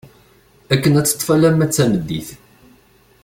Akken ad teṭṭef alamma d tameddit.